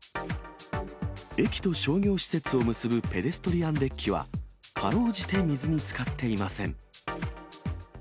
駅と商業施設を結ぶペデストリアンデッキは、かろうじて水につかっていません。